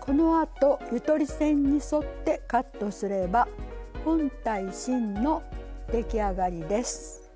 このあとゆとり線に沿ってカットすれば本体芯の出来上がりです。